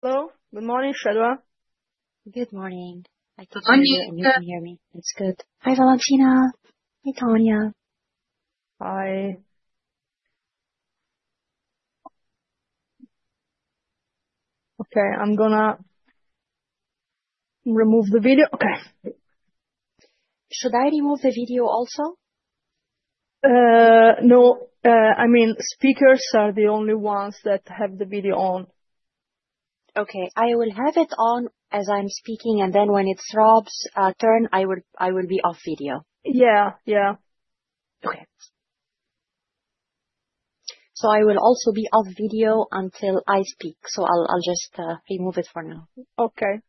Hello. Good morning, Shebra. Good morning. I can hear you. Can you hear me? That's good. Hi, Valentina. Hi, Tanya. Hi. Okay, I'm going to remove the video. Okay. Should I remove the video also? No, I mean, speakers are the only ones that have the video on. Okay. I will have it on as I'm speaking, and then when it's Rob's turn, I will be off video. Yeah. Yeah. Okay. So I will also be off video until I speak. So I'll just remove it for now. Okay.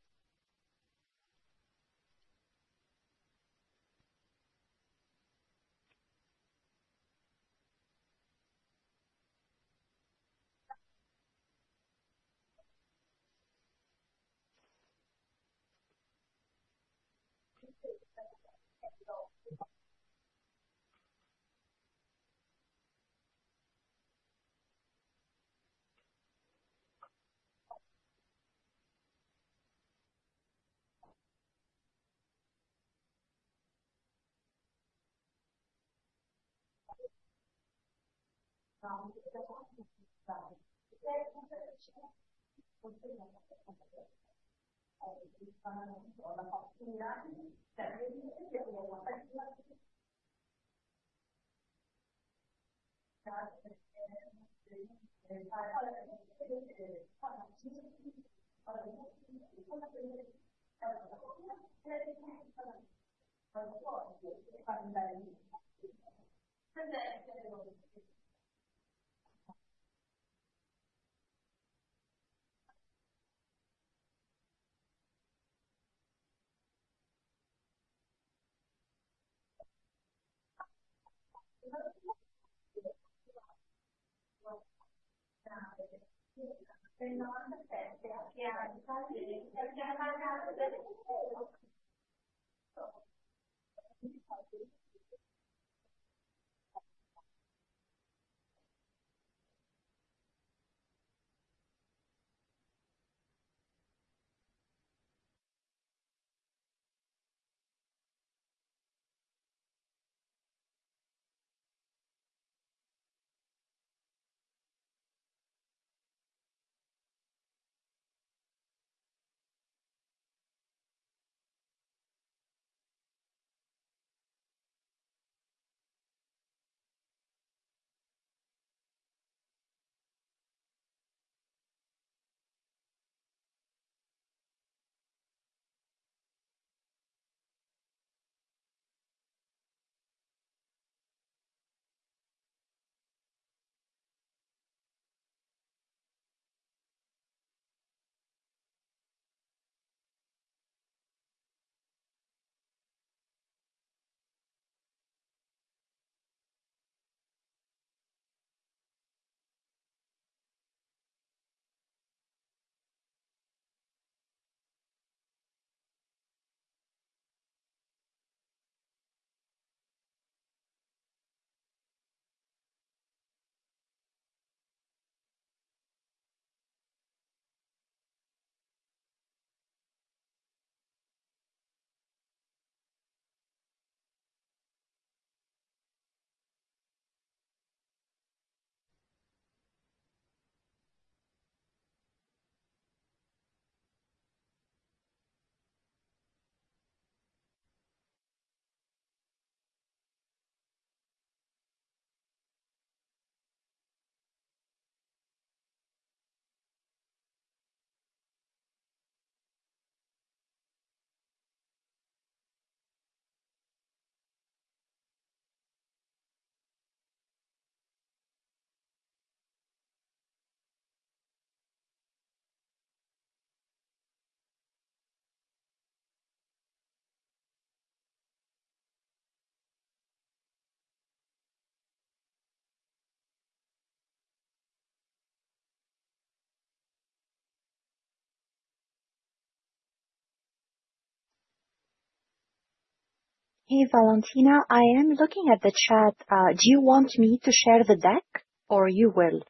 Hey, Valentina. I am looking at the chat. Do you want me to share the deck, or you will?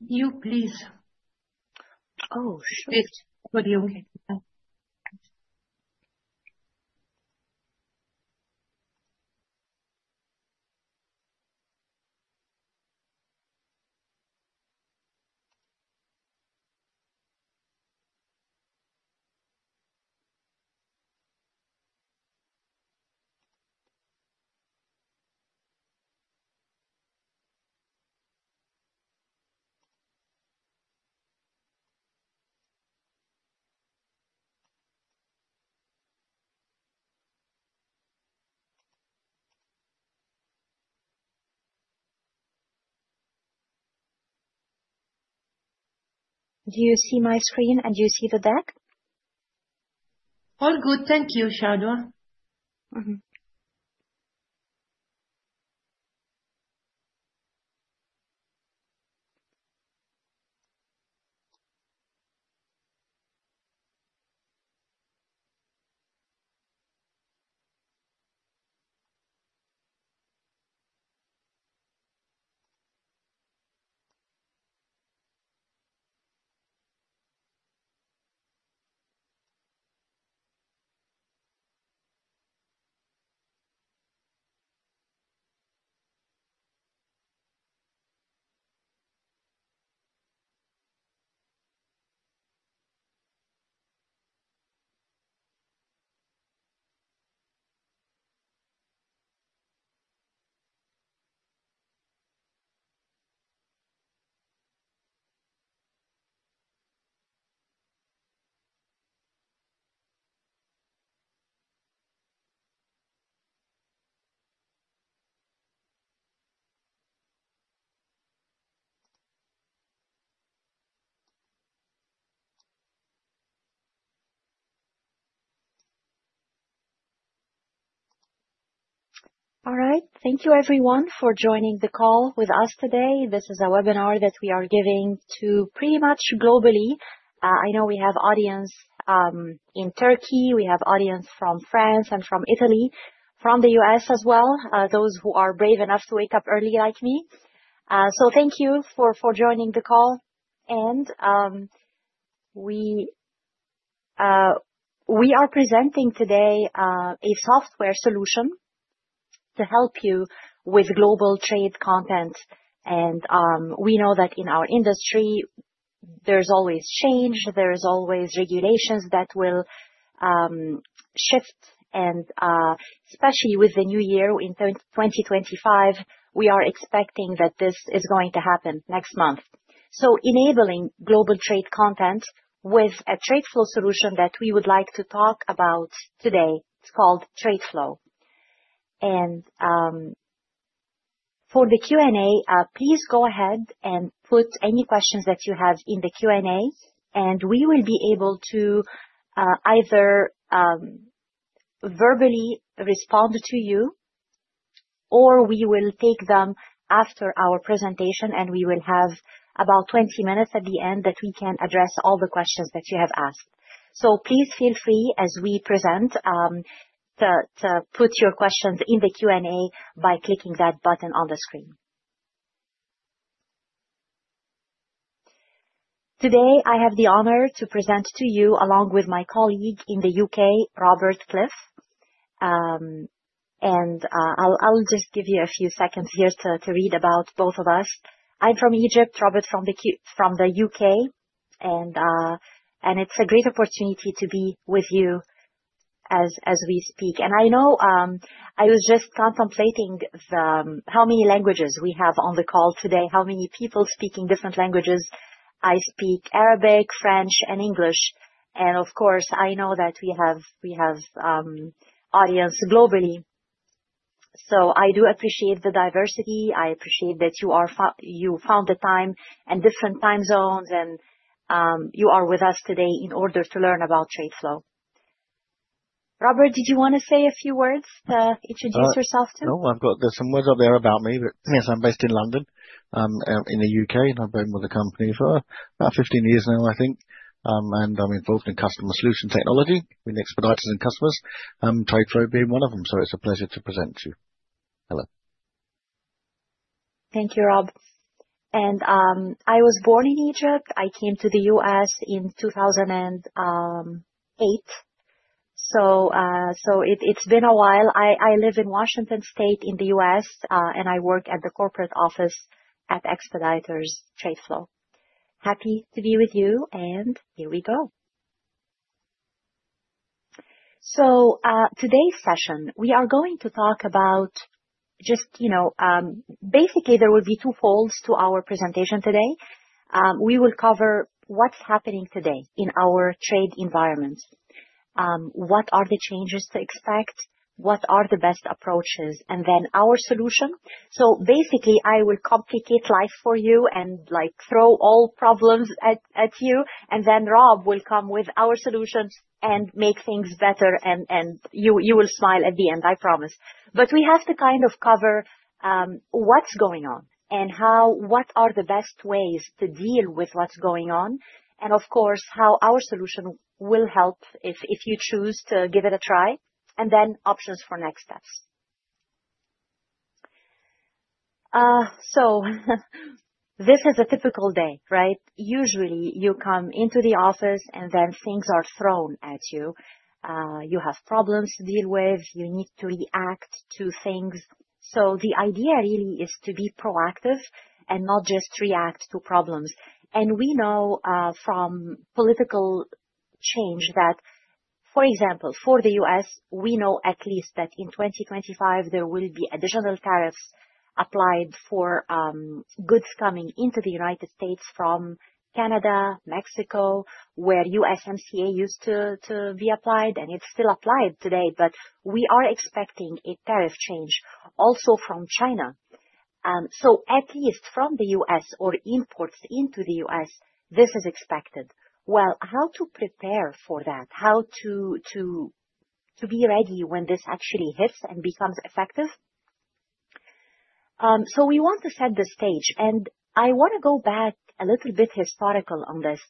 You, please. Oh, sure. It's for you. Do you see my screen, and do you see the deck? All good. Thank you, Shebra. All right. Thank you, everyone, for joining the call with us today. This is a webinar that we are giving to pretty much globally. I know we have audience in Turkey. We have audience from France and from Italy, from the U.S. as well, those who are brave enough to wake up early like me. So thank you for joining the call, and we are presenting today a software solution to help you with global trade content, and we know that in our industry, there's always change. There is always regulations that will shift, and especially with the new year in 2025, we are expecting that this is going to happen next month. So enabling global trade content with a Tradeflow solution that we would like to talk about today. It's called Tradeflow. For the Q&A, please go ahead and put any questions that you have in the Q&A, and we will be able to either verbally respond to you, or we will take them after our presentation, and we will have about 20 minutes at the end that we can address all the questions that you have asked. Please feel free, as we present, to put your questions in the Q&A by clicking that button on the screen. Today, I have the honor to present to you along with my colleague in the UK, Robert Cliff. I'll just give you a few seconds here to read about both of us. I'm from Egypt, Robert from the UK, and it's a great opportunity to be with you as we speak. And I know I was just contemplating how many languages we have on the call today, how many people speaking different languages. I speak Arabic, French, and English. And of course, I know that we have audience globally. So I do appreciate the diversity. I appreciate that you found the time and different time zones, and you are with us today in order to learn about Tradeflow. Robert, did you want to say a few words to introduce yourself too? No, I've got some words up there about me, but yes, I'm based in London, in the U.K., and I've been with the company for about 15 years now, I think. And I'm involved in customer solution technology with Expeditors and customers. TradeFlow being one of them. So it's a pleasure to present to you. Hello. Thank you, Rob. I was born in Egypt. I came to the U.S. in 2008. It's been a while. I live in Washington State in the U.S., and I work at the corporate office at Expeditors Tradeflow. Happy to be with you. Here we go. Today's session, we are going to talk about just basically. There will be two folds to our presentation today. We will cover what's happening today in our trade environment, what are the changes to expect, what are the best approaches, and then our solution. Basically, I will complicate life for you and throw all problems at you. Then Rob will come with our solutions and make things better, and you will smile at the end, I promise. But we have to kind of cover what's going on and what are the best ways to deal with what's going on, and of course, how our solution will help if you choose to give it a try, and then options for next steps. So this is a typical day, right? Usually, you come into the office, and then things are thrown at you. You have problems to deal with. You need to react to things. So the idea really is to be proactive and not just react to problems. And we know from political change that, for example, for the U.S. we know at least that in 2025, there will be additional tariffs applied for goods coming into the United States from Canada, Mexico, where USMCA used to be applied, and it's still applied today. But we are expecting a tariff change also from China. At least from the U.S. or imports into the U.S., this is expected. Well, how to prepare for that, how to be ready when this actually hits and becomes effective? We want to set the stage. I want to go back a little bit historical on this.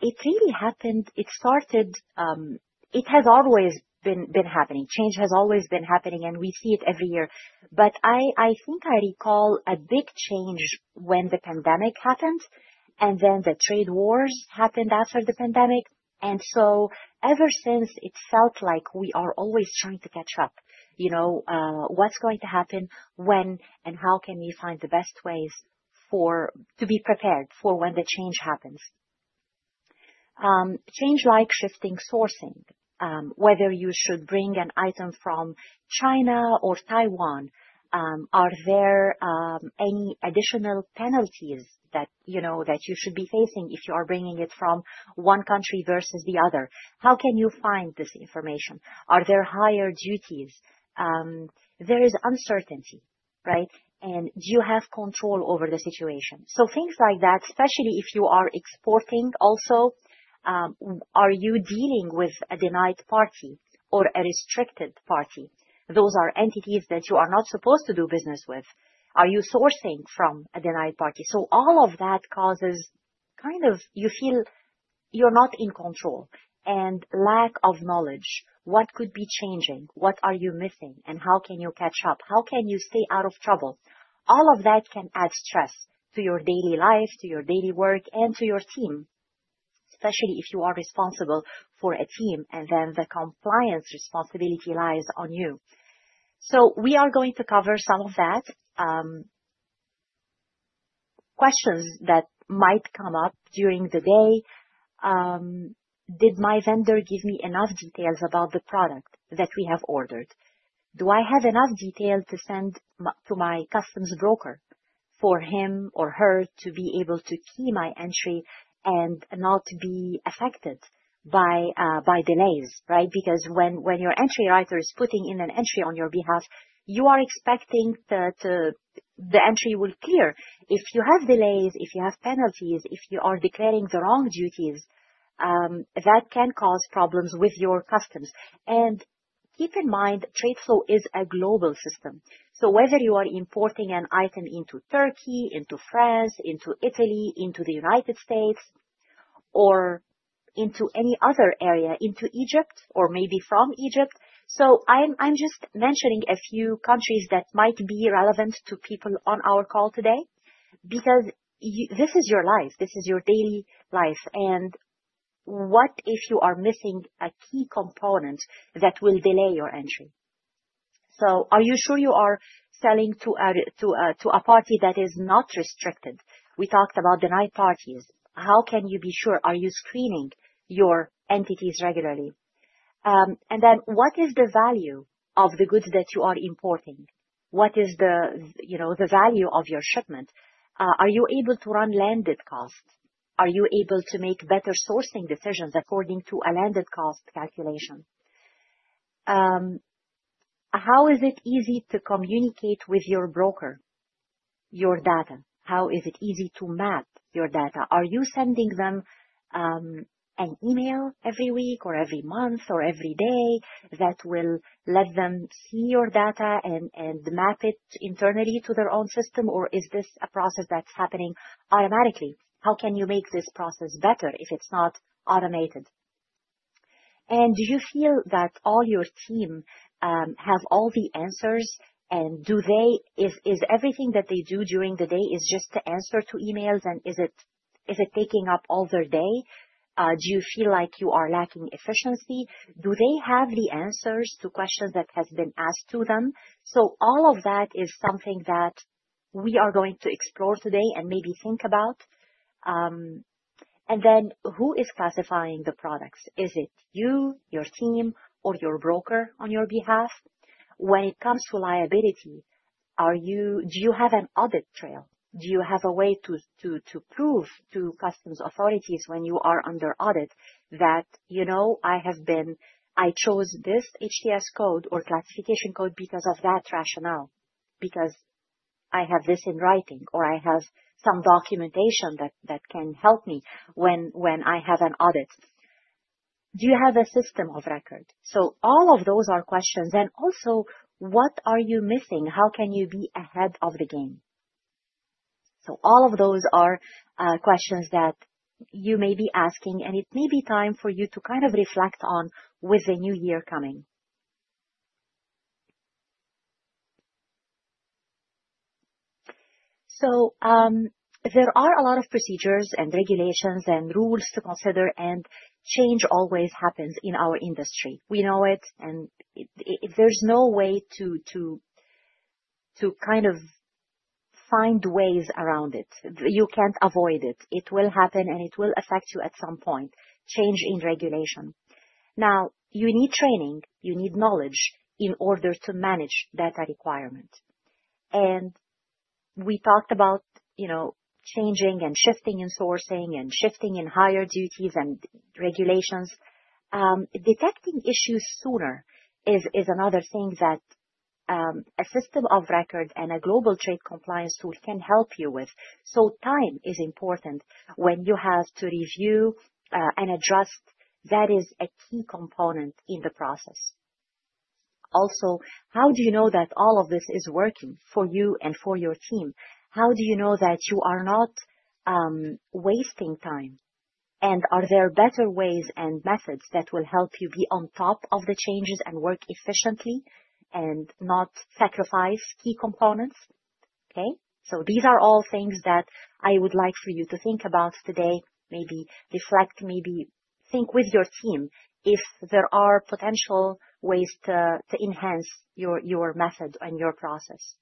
It really happened. It started. It has always been happening. Change has always been happening, and we see it every year. I think I recall a big change when the pandemic happened, and then the trade wars happened after the pandemic. Ever since, it felt like we are always trying to catch up. What's going to happen when and how can we find the best ways to be prepared for when the change happens? Change like shifting sourcing, whether you should bring an item from China or Taiwan. Are there any additional penalties that you should be facing if you are bringing it from one country versus the other? How can you find this information? Are there higher duties? There is uncertainty, right? And do you have control over the situation? So things like that, especially if you are exporting also, are you dealing with a denied party or a restricted party? Those are entities that you are not supposed to do business with. Are you sourcing from a denied party? So all of that causes kind of you feel you're not in control. And lack of knowledge, what could be changing? What are you missing? And how can you catch up? How can you stay out of trouble? All of that can add stress to your daily life, to your daily work, and to your team, especially if you are responsible for a team, and then the compliance responsibility lies on you. So we are going to cover some of that. Questions that might come up during the day. Did my vendor give me enough details about the product that we have ordered? Do I have enough details to send to my customs broker for him or her to be able to key my entry and not be affected by delays, right? Because when your entry writer is putting in an entry on your behalf, you are expecting the entry will clear. If you have delays, if you have penalties, if you are declaring the wrong duties, that can cause problems with your customs. And keep in mind, Tradeflow is a global system. So whether you are importing an item into Turkey, into France, into Italy, into the United States, or into any other area, into Egypt or maybe from Egypt. So I'm just mentioning a few countries that might be relevant to people on our call today because this is your life. This is your daily life. And what if you are missing a key component that will delay your entry? So are you sure you are selling to a party that is not restricted? We talked about denied parties. How can you be sure? Are you screening your entities regularly? And then what is the value of the goods that you are importing? What is the value of your shipment? Are you able to run landed costs? Are you able to make better sourcing decisions according to a landed cost calculation? How is it easy to communicate with your broker, your data? How is it easy to map your data? Are you sending them an email every week or every month or every day that will let them see your data and map it internally to their own system? Or is this a process that's happening automatically? How can you make this process better if it's not automated, and do you feel that all your team have all the answers? And is everything that they do during the day just to answer to emails? And is it taking up all their day? Do you feel like you are lacking efficiency? Do they have the answers to questions that have been asked to them, so all of that is something that we are going to explore today and maybe think about, and then who is classifying the products? Is it you, your team, or your broker on your behalf? When it comes to liability, do you have an audit trail? Do you have a way to prove to customs authorities when you are under audit that, "I chose this HTS code or classification code because of that rationale because I have this in writing or I have some documentation that can help me when I have an audit?" Do you have a system of record? So all of those are questions. And also, what are you missing? How can you be ahead of the game? So all of those are questions that you may be asking, and it may be time for you to kind of reflect on with the new year coming. So there are a lot of procedures and regulations and rules to consider, and change always happens in our industry. We know it, and there's no way to kind of find ways around it. You can't avoid it. It will happen, and it will affect you at some point: change in regulation. Now, you need training. You need knowledge in order to manage that requirement, and we talked about changing and shifting in sourcing and shifting in higher duties and regulations. Detecting issues sooner is another thing that a system of record and a global trade compliance tool can help you with, so time is important when you have to review and adjust. That is a key component in the process. Also, how do you know that all of this is working for you and for your team? How do you know that you are not wasting time? And are there better ways and methods that will help you be on top of the changes and work efficiently and not sacrifice key components? Okay. So these are all things that I would like for you to think about today, maybe reflect, maybe think with your team if there are potential ways to enhance your method and your process.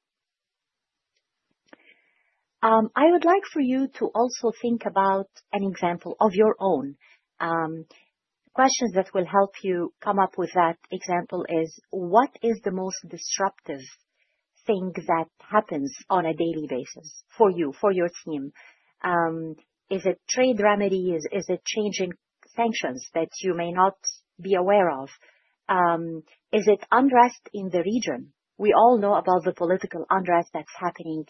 I would like for you to also think about an example of your own. Questions that will help you come up with that example is, what is the most disruptive thing that happens on a daily basis for you, for your team? Is it trade remedies? Is it changing sanctions that you may not be aware of? Is it unrest in the region? We all know about the political unrest that's happening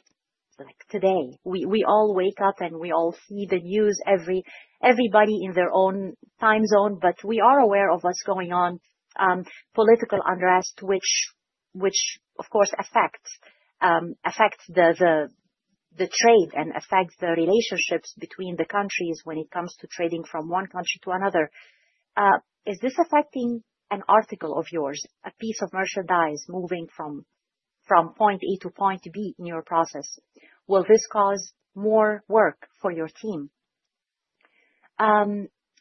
today. We all wake up, and we all see the news, everybody in their own time zone, but we are aware of what's going on, political unrest, which, of course, affects the trade and affects the relationships between the countries when it comes to trading from one country to another. Is this affecting an article of yours, a piece of merchandise moving from point A to point B in your process? Will this cause more work for your team?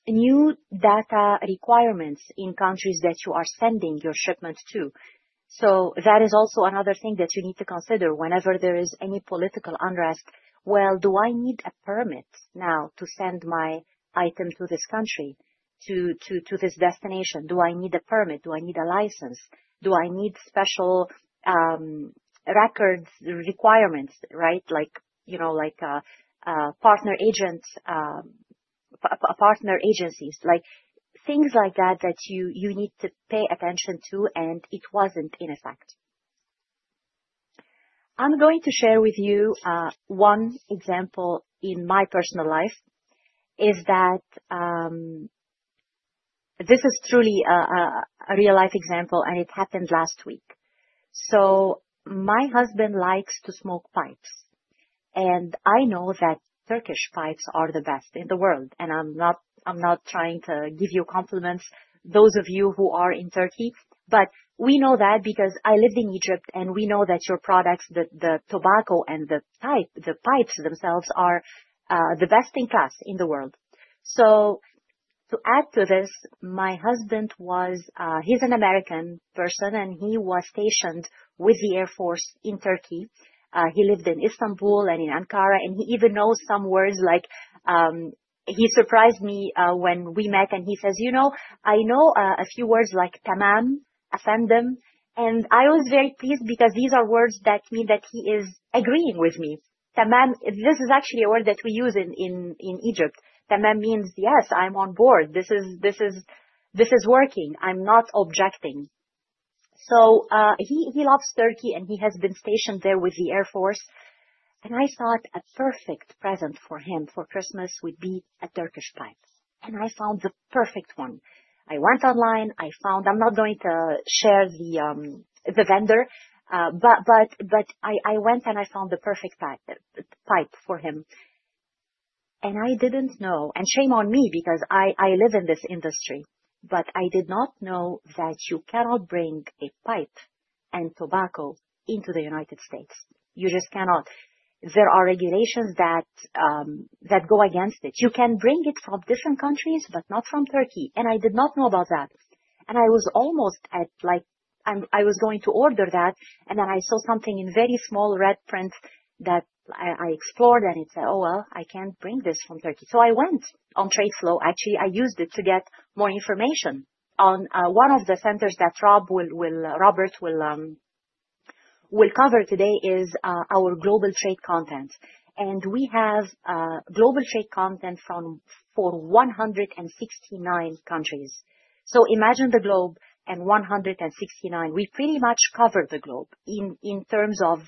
New data requirements in countries that you are sending your shipment to. So that is also another thing that you need to consider whenever there is any political unrest. Well, do I need a permit now to send my item to this country, to this destination? Do I need a permit? Do I need a license? Do I need special record requirements, right, like partner agencies, things like that that you need to pay attention to, and it wasn't in effect? I'm going to share with you one example in my personal life. That this is truly a real-life example, and it happened last week. My husband likes to smoke pipes, and I know that Turkish pipes are the best in the world. I'm not trying to give you compliments, those of you who are in Turkey, but we know that because I lived in Egypt, and we know that your products, the tobacco and the pipes themselves, are the best in class in the world. To add to this, my husband, he's an American person, and he was stationed with the Air Force in Turkey. He lived in Istanbul and in Ankara, and he even knows some words like he surprised me when we met, and he says, "I know a few words like tamam, asendem." And I was very pleased because these are words that mean that he is agreeing with me. Tamam, this is actually a word that we use in Egypt. Tamam means, "Yes, I'm on board. This is working. I'm not objecting." So he loves Turkey, and he has been stationed there with the Air Force. And I thought a perfect present for him for Christmas would be a Turkish pipe. And I found the perfect one. I went online. I found I'm not going to share the vendor, but I went and I found the perfect pipe for him. I didn't know, and shame on me because I live in this industry, but I did not know that you cannot bring a pipe and tobacco into the United States. You just cannot. There are regulations that go against it. You can bring it from different countries, but not from Turkey. And I did not know about that. And I was almost. I was going to order that, and then I saw something in very small red print that I explored, and it said, "Oh, well, I can't bring this from Turkey." So I went on Tradeflow. Actually, I used it to get more information on one of the centers that Robert will cover today is our global trade content. And we have global trade content for 169 countries. Imagine the globe and 169. We pretty much cover the globe in terms of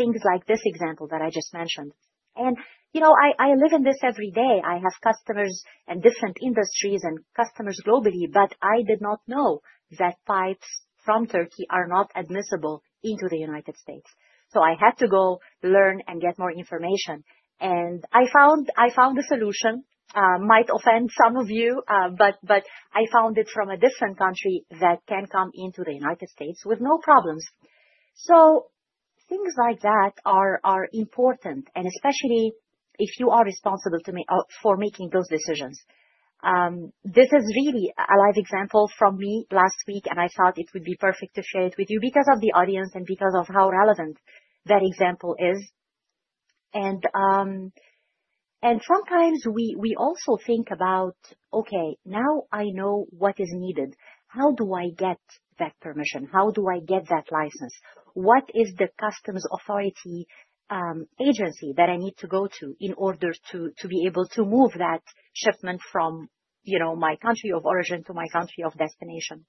things like this example that I just mentioned. And I live in this every day. I have customers and different industries and customers globally, but I did not know that pipes from Turkey are not admissible into the United States. So I had to go learn and get more information. And I found a solution. Might offend some of you, but I found it from a different country that can come into the United States with no problems. So things like that are important, and especially if you are responsible for making those decisions. This is really a live example from me last week, and I thought it would be perfect to share it with you because of the audience and because of how relevant that example is. And sometimes we also think about, "Okay, now I know what is needed. How do I get that permission? How do I get that license? What is the customs authority agency that I need to go to in order to be able to move that shipment from my country of origin to my country of destination?"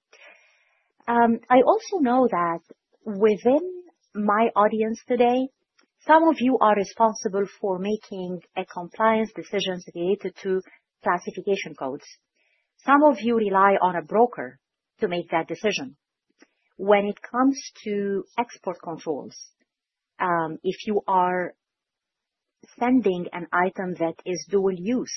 I also know that within my audience today, some of you are responsible for making compliance decisions related to classification codes. Some of you rely on a broker to make that decision. When it comes to export controls, if you are sending an item that is dual use,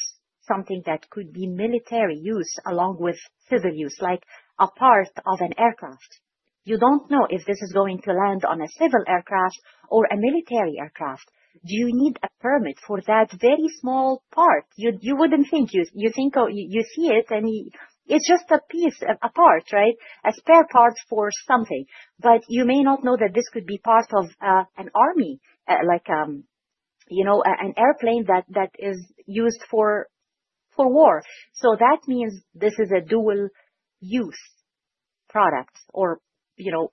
something that could be military use along with civil use, like a part of an aircraft, you don't know if this is going to land on a civil aircraft or a military aircraft. Do you need a permit for that very small part? You wouldn't think. You see it, and it's just a piece, a part, right, a spare part for something. But you may not know that this could be part of an army, like an airplane that is used for war. So that means this is a dual use product or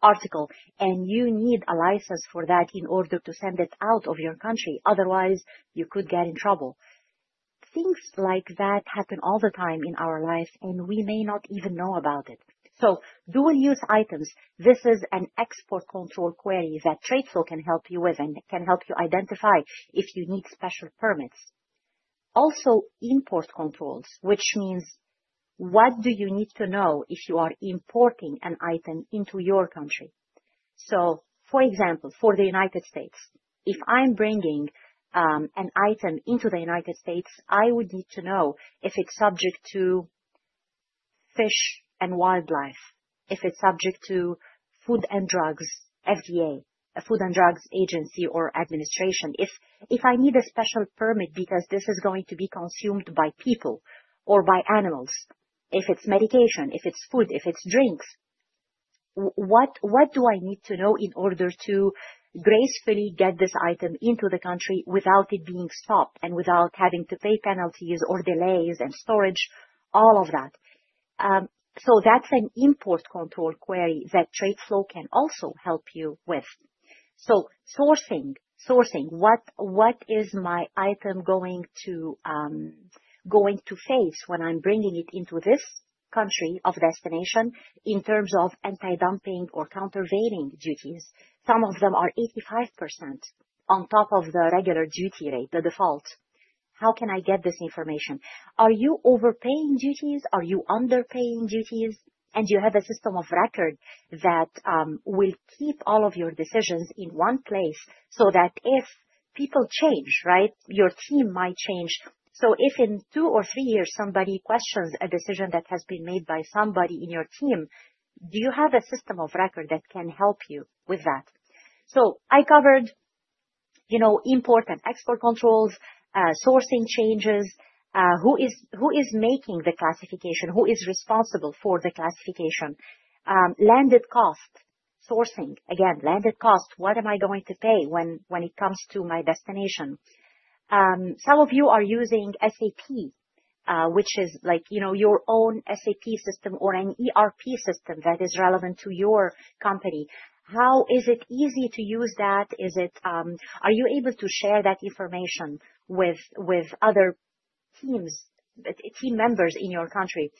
article, and you need a license for that in order to send it out of your country. Otherwise, you could get in trouble. Things like that happen all the time in our lives, and we may not even know about it. So dual use items, this is an export control query that Tradeflow can help you with and can help you identify if you need special permits. Also, import controls, which means what do you need to know if you are importing an item into your country? So, for example, for the United States, if I'm bringing an item into the United States, I would need to know if it's subject to Fish and Wildlife, if it's subject to Food and Drug, FDA, a Food and Drug agency or administration. If I need a special permit because this is going to be consumed by people or by animals, if it's medication, if it's food, if it's drinks, what do I need to know in order to gracefully get this item into the country without it being stopped and without having to pay penalties or delays and storage, all of that? So that's an import control query that Tradeflow can also help you with. So sourcing, what is my item going to face when I'm bringing it into this country of destination in terms of anti-dumping or countervailing duties? Some of them are 85% on top of the regular duty rate, the default. How can I get this information? Are you overpaying duties? Are you underpaying duties? and do you have a system of record that will keep all of your decisions in one place so that if people change, right, your team might change? so if in two or three years, somebody questions a decision that has been made by somebody in your team, do you have a system of record that can help you with that? so I covered import and export controls, sourcing changes, who is making the classification, who is responsible for the classification, landed cost sourcing. Again, landed cost, what am I going to pay when it comes to my destination? Some of you are using SAP, which is your own SAP system or an ERP system that is relevant to your company. How is it easy to use that? Are you able to share that information with other team members in your country?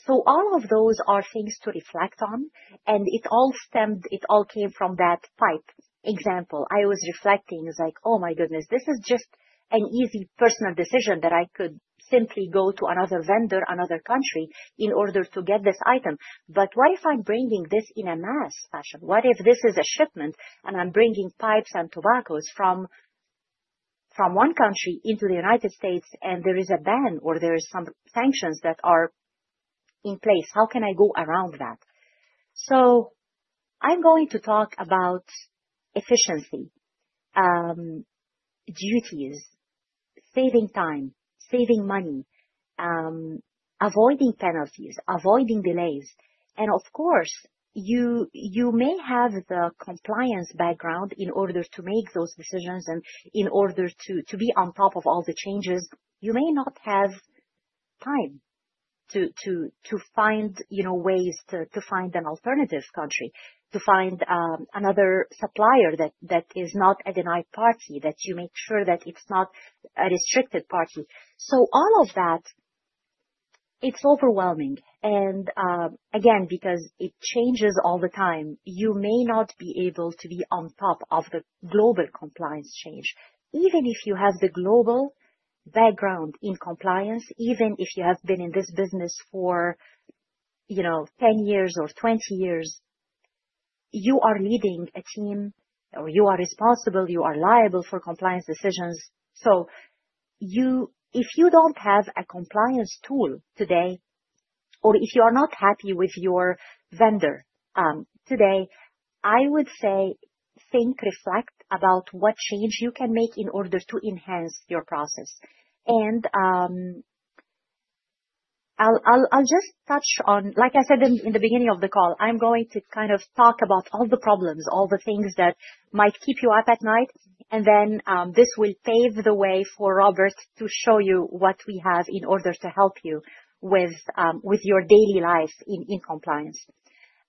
So all of those are things to reflect on, and it all stemmed, it all came from that pipe example. I was reflecting, it was like, "Oh, my goodness, this is just an easy personal decision that I could simply go to another vendor, another country in order to get this item." But what if I'm bringing this in a mass fashion? What if this is a shipment, and I'm bringing pipes and tobaccos from one country into the United States, and there is a ban or there are some sanctions that are in place? How can I go around that? So I'm going to talk about efficiency, duties, saving time, saving money, avoiding penalties, avoiding delays. And of course, you may have the compliance background in order to make those decisions and in order to be on top of all the changes. You may not have time to find ways to find an alternative country, to find another supplier that is not a denied party, that you make sure that it's not a restricted party. So all of that, it's overwhelming. And again, because it changes all the time, you may not be able to be on top of the global compliance change. Even if you have the global background in compliance, even if you have been in this business for 10 years or 20 years, you are leading a team, or you are responsible, you are liable for compliance decisions. So if you don't have a compliance tool today, or if you are not happy with your vendor today, I would say, think, reflect about what change you can make in order to enhance your process. And I'll just touch on, like I said in the beginning of the call, I'm going to kind of talk about all the problems, all the things that might keep you up at night, and then this will pave the way for Robert to show you what we have in order to help you with your daily life in compliance.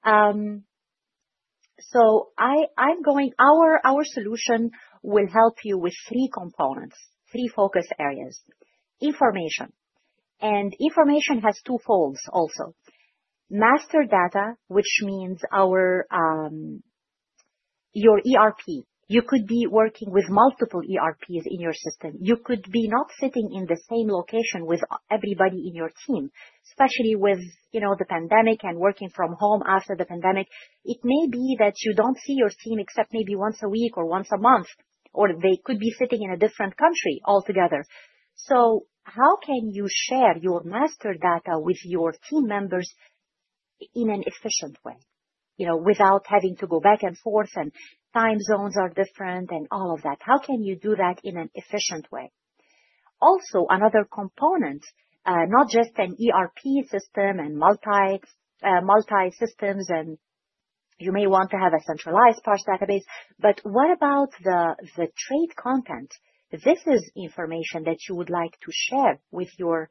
So our solution will help you with three components, three focus areas. Information. And information has two folds also. Master data, which means your ERP. You could be working with multiple ERPs in your system. You could be not sitting in the same location with everybody in your team, especially with the pandemic and working from home after the pandemic. It may be that you don't see your team except maybe once a week or once a month, or they could be sitting in a different country altogether. So how can you share your master data with your team members in an efficient way without having to go back and forth, and time zones are different and all of that? How can you do that in an efficient way? Also, another component, not just an ERP system and multi-systems, and you may want to have a centralized parts database, but what about the trade content? This is information that you would like to share with your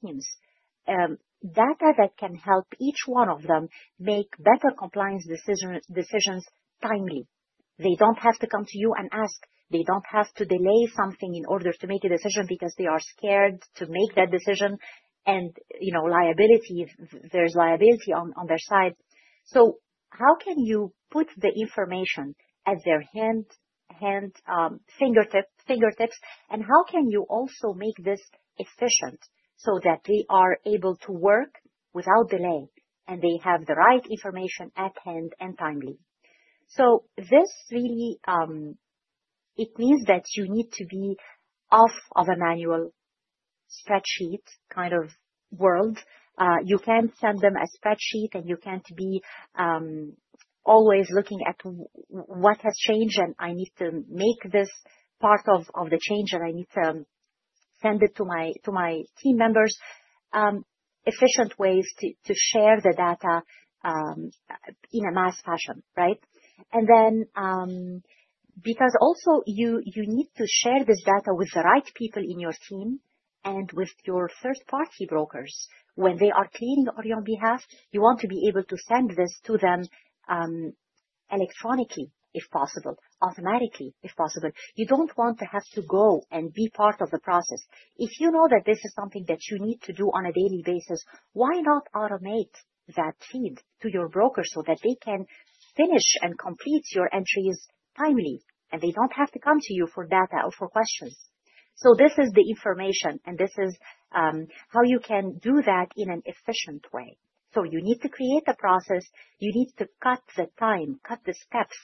teams. Data that can help each one of them make better compliance decisions timely. They don't have to come to you and ask. They don't have to delay something in order to make a decision because they are scared to make that decision. And there's liability on their side. So how can you put the information at their fingertips, and how can you also make this efficient so that they are able to work without delay and they have the right information at hand and timely? So this really means that you need to be off of a manual spreadsheet kind of world. You can't send them a spreadsheet, and you can't be always looking at what has changed, and I need to make this part of the change, and I need to send it to my team members. Efficient ways to share the data in a mass fashion, right? And then, because also you need to share this data with the right people in your team and with your third-party brokers when they are clearing on your behalf, you want to be able to send this to them electronically, if possible, automatically, if possible. You don't want to have to go and be part of the process. If you know that this is something that you need to do on a daily basis, why not automate that feed to your broker so that they can finish and complete your entries timely, and they don't have to come to you for data or for questions? So this is the information, and this is how you can do that in an efficient way. So you need to create a process. You need to cut the time, cut the steps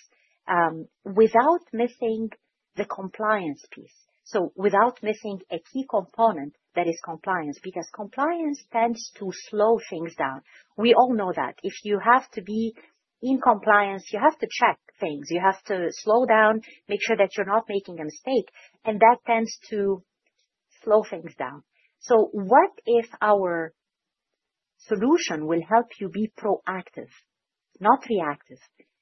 without missing the compliance piece. So without missing a key component that is compliance because compliance tends to slow things down. We all know that. If you have to be in compliance, you have to check things. You have to slow down, make sure that you're not making a mistake, and that tends to slow things down. So what if our solution will help you be proactive, not reactive?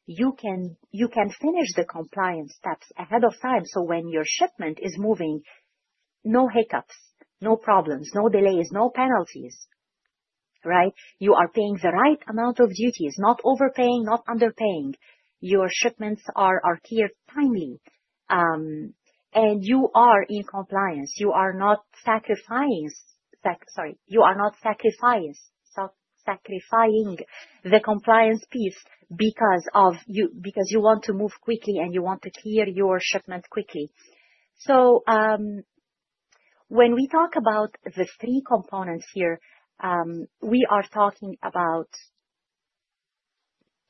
You can finish the compliance steps ahead of time so when your shipment is moving, no hiccups, no problems, no delays, no penalties, right? You are paying the right amount of duties, no overpaying, not underpaying. Your shipments are cleared timely, and you are in compliance. You are not sacrificing the compliance piece because you want to move quickly, and you want to clear your shipment quickly. When we talk about the three components here, we are talking about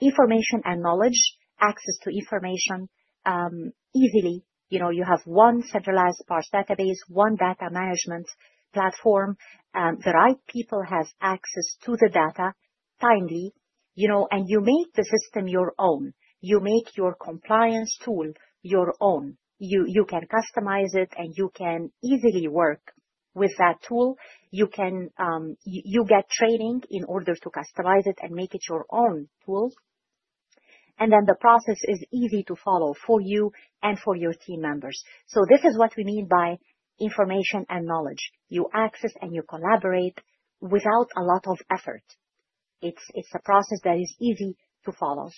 information and knowledge, access to information easily. You have one centralized parts database, one data management platform. The right people have access to the data timely, and you make the system your own. You make your compliance tool your own. You can customize it, and you can easily work with that tool. You get training in order to customize it and make it your own tool. And then the process is easy to follow for you and for your team members. So this is what we mean by information and knowledge. You access and you collaborate without a lot of effort. It's a process that is easy to follow.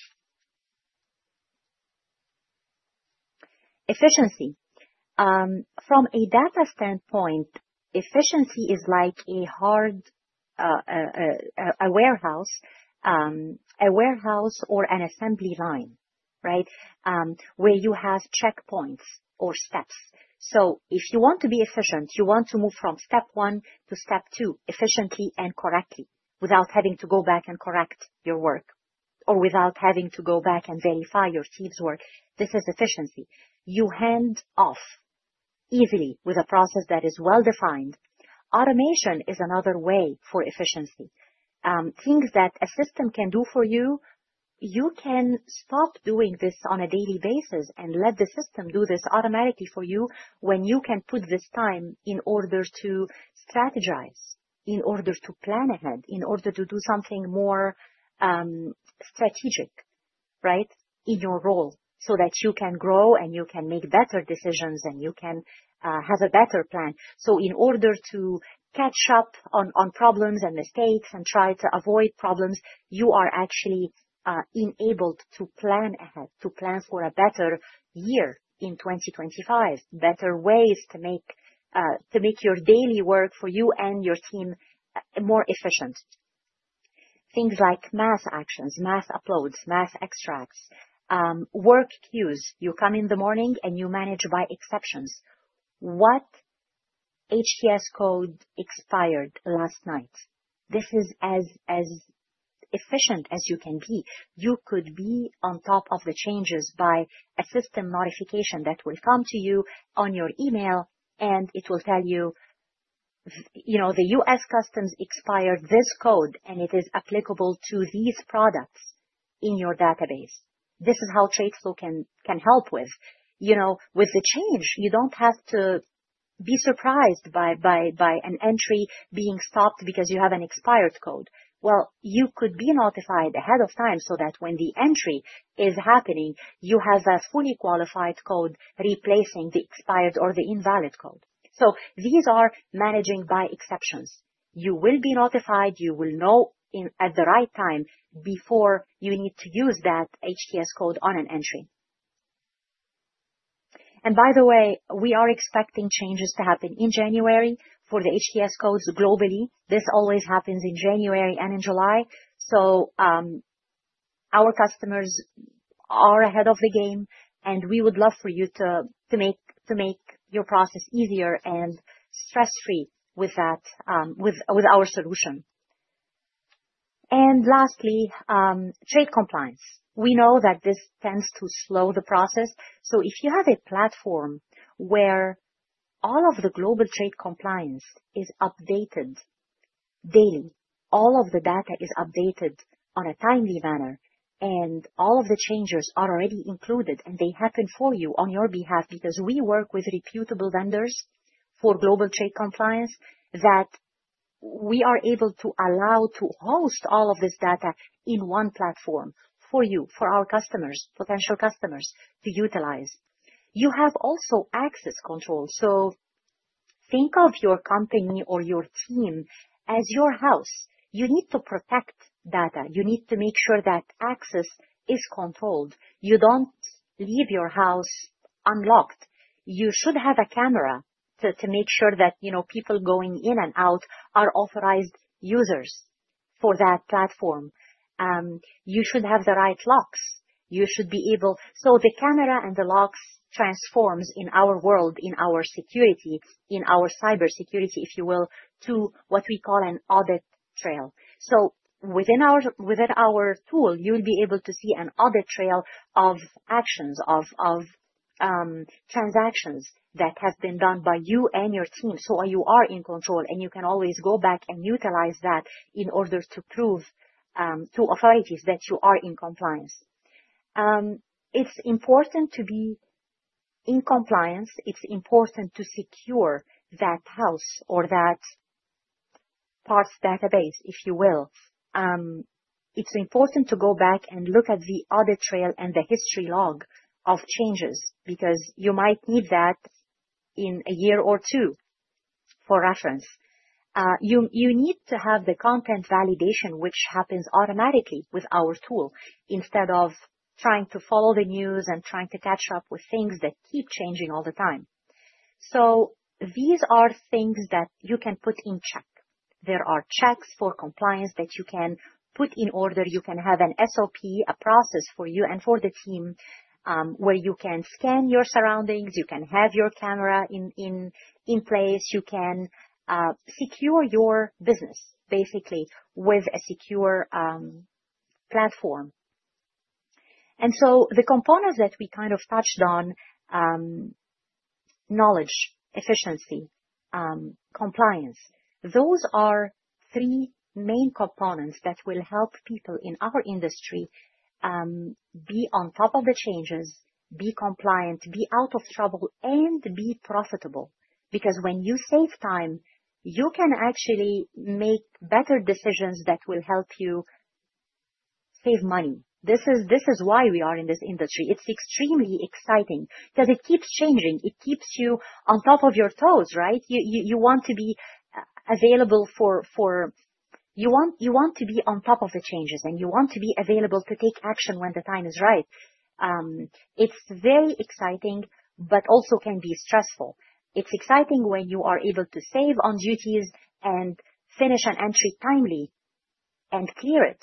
Efficiency. From a data standpoint, efficiency is like a warehouse or an assembly line, right, where you have checkpoints or steps. So if you want to be efficient, you want to move from step one to step two efficiently and correctly without having to go back and correct your work or without having to go back and verify your team's work. This is efficiency. You hand off easily with a process that is well-defined. Automation is another way for efficiency. Things that a system can do for you, you can stop doing this on a daily basis and let the system do this automatically for you when you can put this time in order to strategize, in order to plan ahead, in order to do something more strategic, right, in your role so that you can grow and you can make better decisions and you can have a better plan. In order to catch up on problems and mistakes and try to avoid problems, you are actually enabled to plan ahead, to plan for a better year in 2025, better ways to make your daily work for you and your team more efficient. Things like mass actions, mass uploads, mass extracts, work queues. You come in the morning, and you manage by exceptions. What HTS code expired last night? This is as efficient as you can be. You could be on top of the changes by a system notification that will come to you on your email, and it will tell you, "The U.S. Customs expired this code, and it is applicable to these products in your database." This is how Tradeflow can help with the change. You don't have to be surprised by an entry being stopped because you have an expired code. You could be notified ahead of time so that when the entry is happening, you have a fully qualified code replacing the expired or the invalid code. These are managing by exceptions. You will be notified. You will know at the right time before you need to use that HTS code on an entry. By the way, we are expecting changes to happen in January for the HTS codes globally. This always happens in January and in July. Our customers are ahead of the game, and we would love for you to make your process easier and stress-free with our solution. Lastly, trade compliance. We know that this tends to slow the process. So if you have a platform where all of the global trade compliance is updated daily, all of the data is updated on a timely manner, and all of the changes are already included, and they happen for you on your behalf because we work with reputable vendors for global trade compliance that we are able to allow to host all of this data in one platform for you, for our customers, potential customers to utilize. You have also access control. So think of your company or your team as your house. You need to protect data. You need to make sure that access is controlled. You don't leave your house unlocked. You should have a camera to make sure that people going in and out are authorized users for that platform. You should have the right locks. You should be able to see the cameras and the locks transform in our world, in our security, in our cybersecurity, if you will, to what we call an audit trail. So within our tool, you'll be able to see an audit trail of actions, of transactions that have been done by you and your team. So you are in control, and you can always go back and utilize that in order to prove to authorities that you are in compliance. It's important to be in compliance. It's important to secure that house or that parts database, if you will. It's important to go back and look at the audit trail and the history log of changes because you might need that in a year or two for reference. You need to have the content validation, which happens automatically with our tool instead of trying to follow the news and trying to catch up with things that keep changing all the time. So these are things that you can put in check. There are checks for compliance that you can put in order. You can have an SOP, a process for you and for the team where you can scan your surroundings. You can have your camera in place. You can secure your business, basically, with a secure platform. And so the components that we kind of touched on, knowledge, efficiency, compliance, those are three main components that will help people in our industry be on top of the changes, be compliant, be out of trouble, and be profitable. Because when you save time, you can actually make better decisions that will help you save money. This is why we are in this industry. It's extremely exciting because it keeps changing. It keeps you on top of your toes, right? You want to be available for you want to be on top of the changes, and you want to be available to take action when the time is right. It's very exciting, but also can be stressful. It's exciting when you are able to save on duties and finish an entry timely and clear it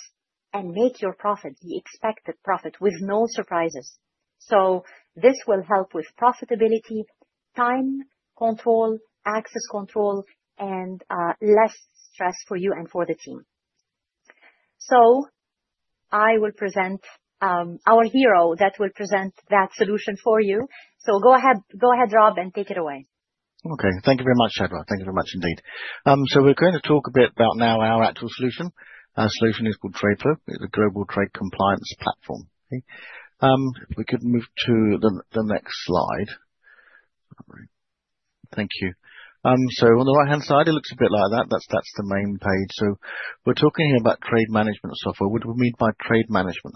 and make your profit, the expected profit, with no surprises. So this will help with profitability, time control, access control, and less stress for you and for the team. So I will present our hero that will present that solution for you. So go ahead, Rob, and take it away. Okay. Thank you very much, Shebra. Thank you very much indeed. So we're going to talk a bit about now our actual solution. Our solution is called Tradeflow. It's a global trade compliance platform. If we could move to the next slide. Thank you, so on the right-hand side, it looks a bit like that. That's the main page, so we're talking here about trade management software. What do we mean by trade management?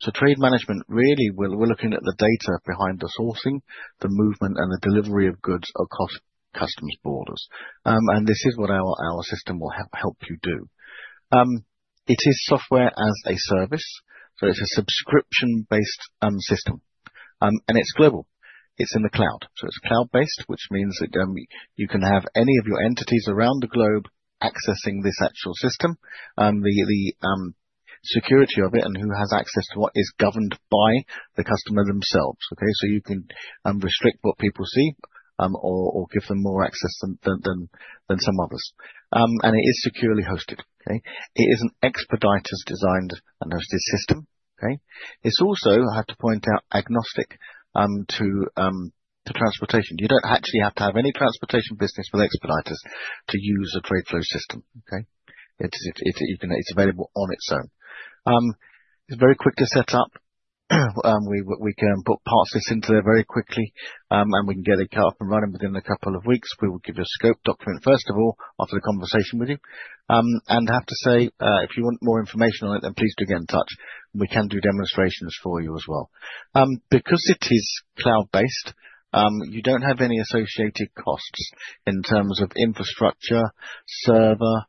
So trade management, really, we're looking at the data behind the sourcing, the movement, and the delivery of goods across customs borders, and this is what our system will help you do. It is software as a service, so it's a subscription-based system, and it's global, it's in the cloud, so it's cloud-based, which means that you can have any of your entities around the globe accessing this actual system and the security of it and who has access to what is governed by the customer themselves. Okay? So you can restrict what people see or give them more access than some others. And it is securely hosted. Okay? It is an Expeditors-designed and hosted system. Okay? It's also, I have to point out, agnostic to transportation. You don't actually have to have any transportation business with Expeditors to use a Tradeflow system. Okay? It's available on its own. It's very quick to set up. We can put parts of this into there very quickly, and we can get it up and running within a couple of weeks. We will give you a scope document, first of all, after the conversation with you. And I have to say, if you want more information on it, then please do get in touch. We can do demonstrations for you as well. Because it is cloud-based, you don't have any associated costs in terms of infrastructure, server,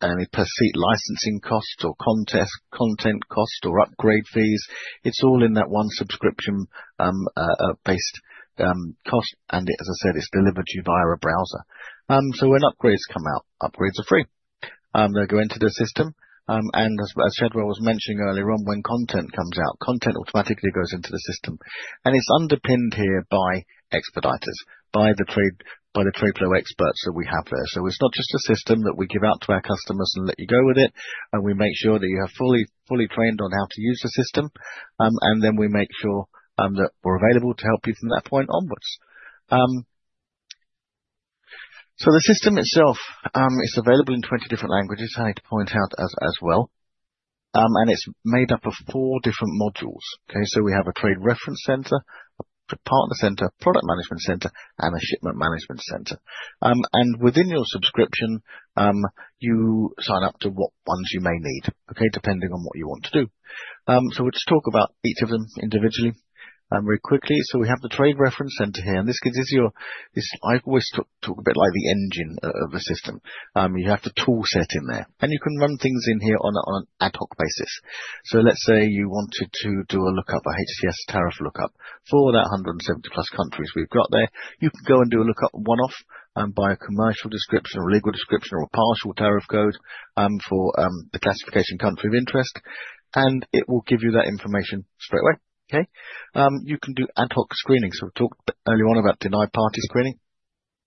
any per seat licensing costs or content costs or upgrade fees. It's all in that one subscription-based cost. And as I said, it's delivered to you via a browser. So when upgrades come out, upgrades are free. They go into the system. And as Shebra was mentioning earlier on, when content comes out, content automatically goes into the system. And it's underpinned here by Expeditors, by the Tradeflow experts that we have there. So it's not just a system that we give out to our customers and let you go with it. And we make sure that you are fully trained on how to use the system. And then we make sure that we're available to help you from that point onwards. The system itself, it's available in 20 different languages, I need to point out as well. And it's made up of four different modules. Okay? So we have a Trade Reference Center, a Trade Partner Center, a Product Management Center, and a Shipment Management Center. And within your subscription, you sign up to what ones you may need, okay, depending on what you want to do. So we'll just talk about each of them individually very quickly. So we have the Trade Reference Center here. And this gives you a, I always talk a bit like the engine of the system. You have the tool set in there. And you can run things in here on an ad hoc basis. So let's say you wanted to do a lookup, a HTS tariff lookup for that 170-plus countries we've got there. You can go and do a lookup one-off by a commercial description or legal description or a partial tariff code for the classification country of interest. And it will give you that information straight away. Okay? You can do ad hoc screening. So we talked earlier on about denied party screening.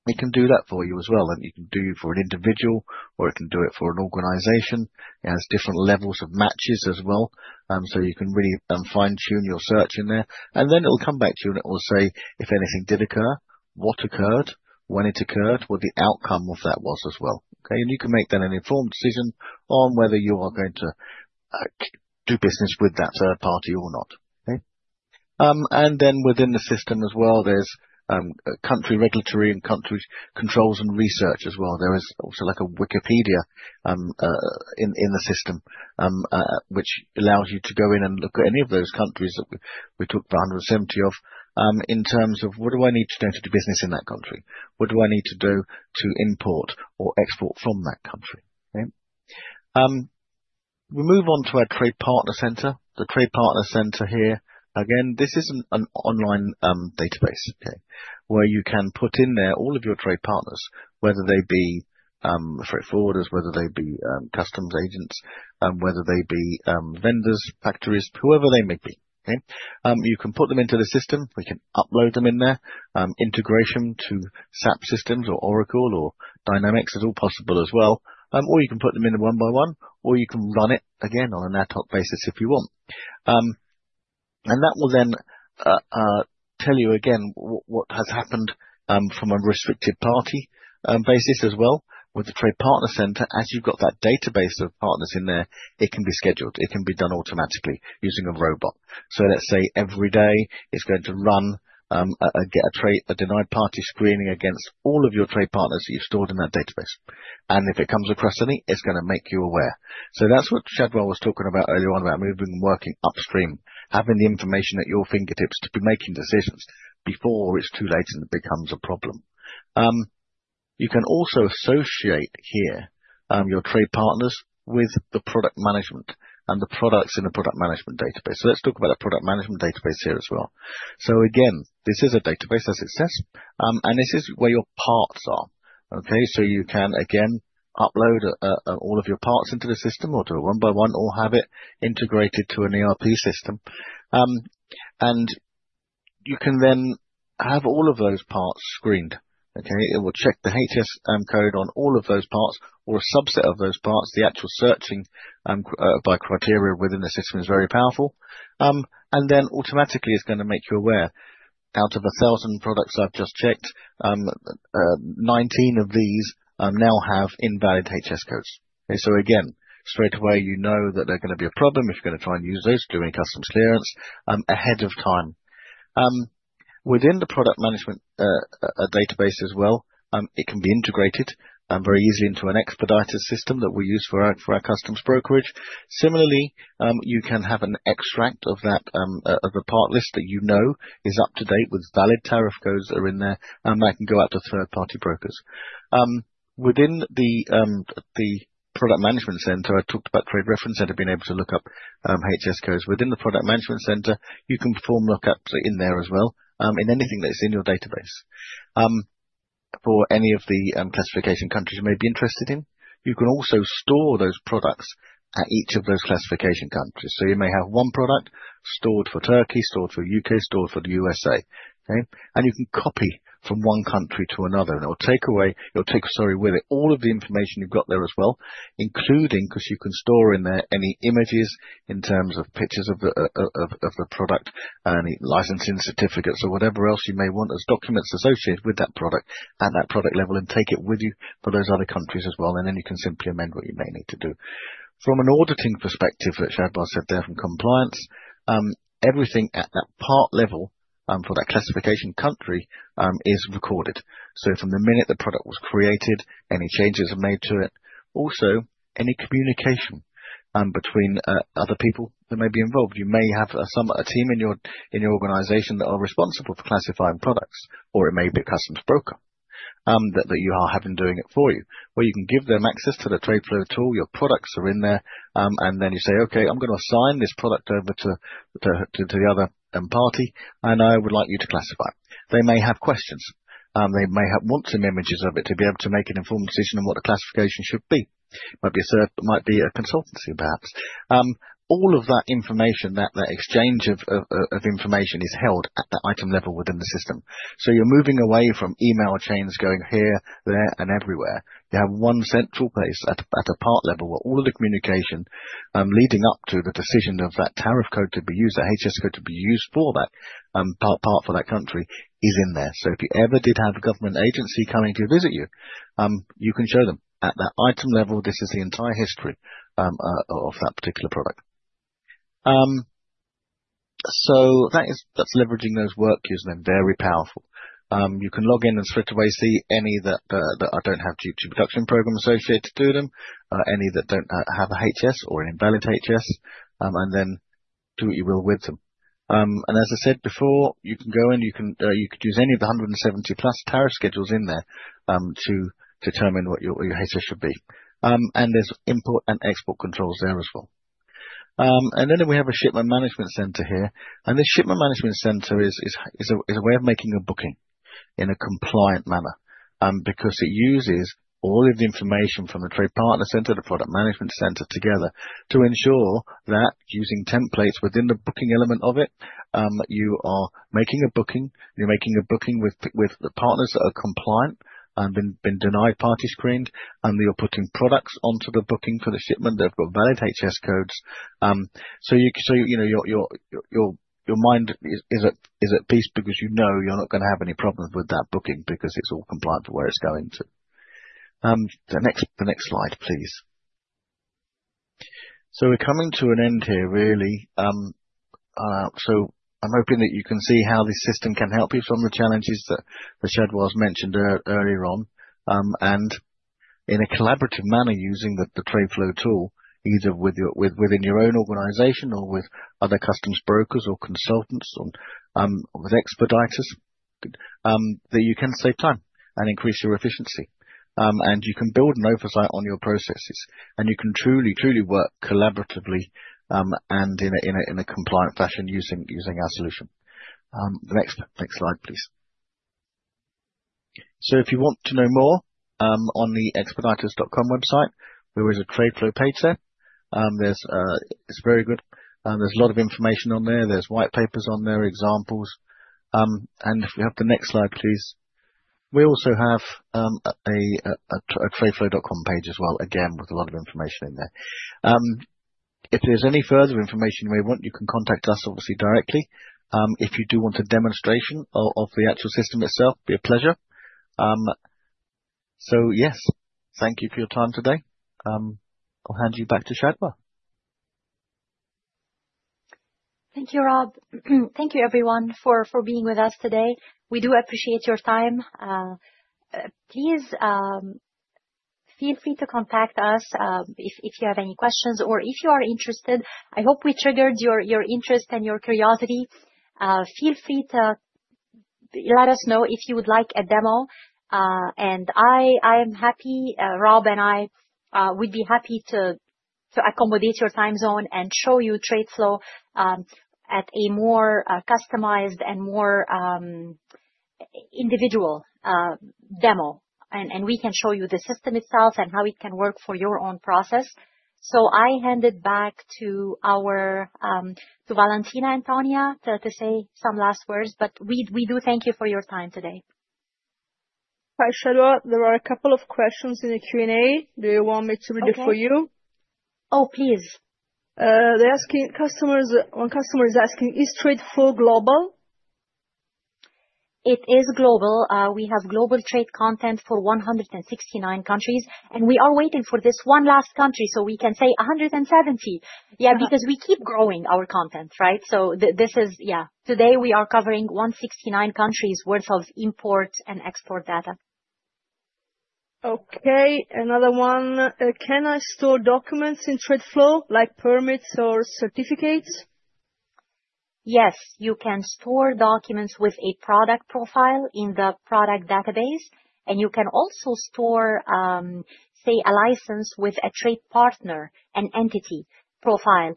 It can do that for you as well. And it can do it for an individual, or it can do it for an organization. It has different levels of matches as well. So you can really fine-tune your search in there. And then it'll come back to you, and it will say if anything did occur, what occurred, when it occurred, what the outcome of that was as well. Okay? And you can make then an informed decision on whether you are going to do business with that third party or not. Okay? And then within the system as well, there's country regulatory and country controls and research as well. There is also like a Wikipedia in the system, which allows you to go in and look at any of those countries that we talked about 170 of in terms of, "What do I need to do to do business in that country? What do I need to do to import or export from that country?" Okay? We move on to our Trade Partner Center. The Trade Partner Center here, again, this is an online database, okay, where you can put in there all of your trade partners, whether they be freight forwarders, whether they be customs agents, whether they be vendors, factories, whoever they may be. Okay? You can put them into the system. We can upload them in there. Integration to SAP systems or Oracle or Dynamics is all possible as well. Or you can put them in one by one, or you can run it again on an ad hoc basis if you want. And that will then tell you again what has happened from a restricted party basis as well. With the Trade Partner Center, as you've got that database of partners in there, it can be scheduled. It can be done automatically using a robot. So let's say every day it's going to run a denied party screening against all of your trade partners that you've stored in that database. And if it comes across any, it's going to make you aware. So that's what Shebra was talking about earlier on, about moving and working upstream, having the information at your fingertips to be making decisions before it's too late and it becomes a problem. You can also associate here your trade partners with the product management and the products in the product management database. So let's talk about the product management database here as well. So again, this is a database as it says. And this is where your parts are. Okay? So you can, again, upload all of your parts into the system or do it one by one or have it integrated to an ERP system. And you can then have all of those parts screened. Okay? It will check the HTS code on all of those parts or a subset of those parts. The actual searching by criteria within the system is very powerful. And then automatically, it's going to make you aware. Out of 1,000 products I've just checked, 19 of these now have invalid HTS codes. Okay? So again, straight away, you know that they're going to be a problem if you're going to try and use those to do any customs clearance ahead of time. Within the product management database as well, it can be integrated very easily into an Expeditors system that we use for our customs brokerage. Similarly, you can have an extract of the part list that you know is up to date with valid tariff codes that are in there, and that can go out to third-party brokers. Within the Product Management Center, I talked about Trade Reference Center being able to look up HTS codes. Within the Product Management Center, you can perform lookups in there as well, in anything that's in your database for any of the classification countries you may be interested in. You can also store those products at each of those classification countries. You may have one product stored for Turkey, stored for the U.K., stored for the U.S.A. Okay? And you can copy from one country to another. And it'll take, sorry, with it all of the information you've got there as well, including because you can store in there any images in terms of pictures of the product, any licensing certificates, or whatever else you may want as documents associated with that product at that product level and take it with you for those other countries as well. And then you can simply amend what you may need to do. From an auditing perspective, which Shebra said there from compliance, everything at that part level for that classification country is recorded. So from the minute the product was created, any changes are made to it. Also, any communication between other people that may be involved. You may have a team in your organization that are responsible for classifying products, or it may be a customs broker that you are having doing it for you, where you can give them access to the Tradeflow tool. Your products are in there. And then you say, "Okay, I'm going to assign this product over to the other party, and I would like you to classify." They may have questions. They may want some images of it to be able to make an informed decision on what the classification should be. It might be a consultancy, perhaps. All of that information, that exchange of information is held at the item level within the system, so you're moving away from email chains going here, there, and everywhere. You have one central place at a part level where all of the communication leading up to the decision of that tariff code to be used, that HTS code to be used for that part for that country, is in there. So if you ever did have a government agency coming to visit you, you can show them, at that item level, this is the entire history of that particular product. So that's leveraging those workflows then very powerful. You can log in and straight away see any that don't have duty reduction program associated to them, any that don't have a HTS or an invalid HTS, and then do what you will with them, and as I said before, you can go and you could use any of the 170-plus tariff schedules in there to determine what your HTS should be. And there's import and export controls there as well. And then we have a Shipment Management Center here. And this Shipment Management Center is a way of making a booking in a compliant manner because it uses all of the information from the Trade Partner Center, the Product Management Center together to ensure that using templates within the booking element of it, you are making a booking. You're making a booking with the partners that are compliant and been denied party screened, and you're putting products onto the booking for the shipment that have got valid HTS codes. So your mind is at peace because you know you're not going to have any problems with that booking because it's all compliant to where it's going to. The next slide, please. So we're coming to an end here, really. I'm hoping that you can see how this system can help you from the challenges that Shebra has mentioned earlier on. In a collaborative manner, using the Tradeflow tool, either within your own organization or with other customs brokers or consultants or with Expeditors, that you can save time and increase your efficiency. You can build an oversight on your processes. You can truly, truly work collaboratively and in a compliant fashion using our solution. Next slide, please. If you want to know more on the Expeditors.com website, there is a Tradeflow page there. It's very good. There's a lot of information on there. There's white papers on there, examples. If we have the next slide, please. We also have a Tradeflow.com page as well, again, with a lot of information in there. If there's any further information you may want, you can contact us, obviously, directly. If you do want a demonstration of the actual system itself, it'd be a pleasure. So yes, thank you for your time today. I'll hand you back to Shebra. Thank you, Rob. Thank you, everyone, for being with us today. We do appreciate your time. Please feel free to contact us if you have any questions or if you are interested. I hope we triggered your interest and your curiosity. Feel free to let us know if you would like a demo. And I am happy, Rob and I would be happy to accommodate your time zone and show you Tradeflow at a more customized and more individual demo. And we can show you the system itself and how it can work for your own process. I hand it back to Valentina and Tanya to say some last words. But we do thank you for your time today. Hi, Shebra. There are a couple of questions in the Q&A. Do you want me to read it for you? Oh, please. One customer is asking, "Is Tradeflow global?" It is global. We have global trade content for 169 countries. And we are waiting for this one last country so we can say 170. Yeah, because we keep growing our content, right? So this is, yeah. Today, we are covering 169 countries' worth of import and export data. Okay. Another one. "Can I store documents in Tradeflow, like permits or certificates?" Yes. You can store documents with a product profile in the product database. You can also store, say, a license with a trade partner, an entity profile,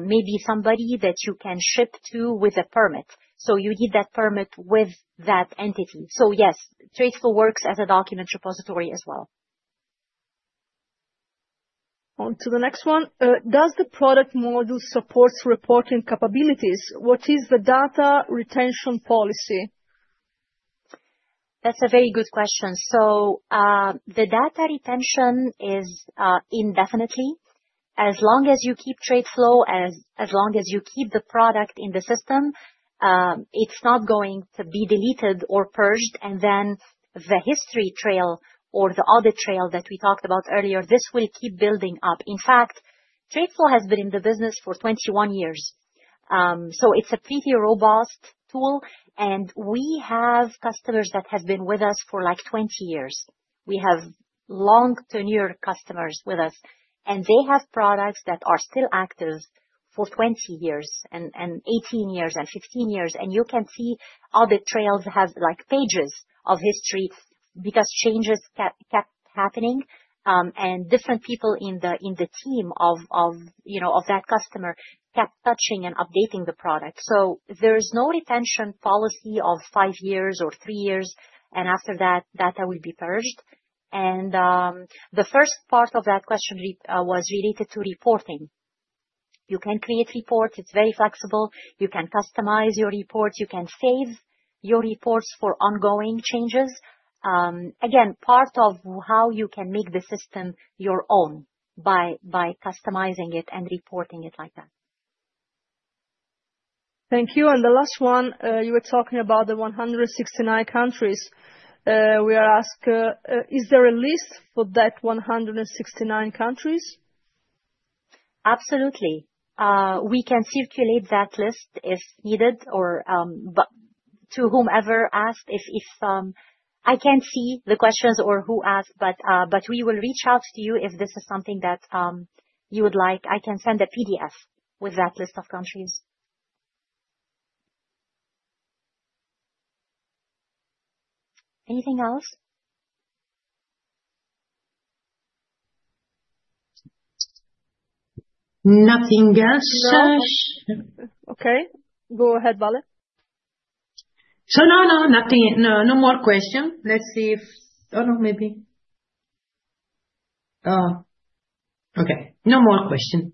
maybe somebody that you can ship to with a permit. So you need that permit with that entity. So yes, Tradeflow works as a document repository as well. On to the next one. "Does the product module support reporting capabilities? What is the data retention policy?" That's a very good question. So the data retention is indefinitely. As long as you keep Tradeflow, as long as you keep the product in the system, it's not going to be deleted or purged. And then the history trail or the audit trail that we talked about earlier, this will keep building up. In fact, Tradeflow has been in the business for 21 years. So it's a pretty robust tool. And we have customers that have been with us for like 20 years. We have long-tenured customers with us, and they have products that are still active for 20 years and 18 years and 15 years, and you can see audit trails have pages of history because changes kept happening, and different people in the team of that customer kept touching and updating the product, so there is no retention policy of five years or three years, and after that, data will be purged, and the first part of that question was related to reporting. You can create reports. It's very flexible. You can customize your reports. You can save your reports for ongoing changes. Again, part of how you can make the system your own by customizing it and reporting it like that. Thank you, and the last one, you were talking about the 169 countries. We are asked, "Is there a list for that 169 countries?" Absolutely. We can circulate that list if needed or to whomever asked. I can't see the questions or who asked, but we will reach out to you if this is something that you would like. I can send a PDF with that list of countries. Anything else? Nothing else. Okay. Go ahead, Vale. So no, no, nothing. No more questions. Let's see if, oh no, maybe. Okay. No more questions.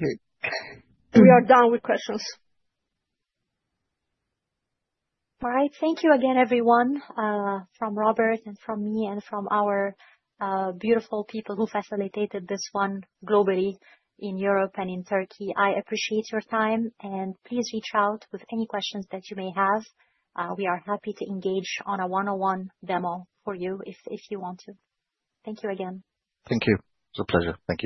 We are done with questions. All right. Thank you again, everyone, from Robert and from me and from our beautiful people who facilitated this one globally in Europe and in Turkey. I appreciate your time, and please reach out with any questions that you may have. We are happy to engage on a one-on-one demo for you if you want to. Thank you again. Thank you. It was a pleasure. Thank you.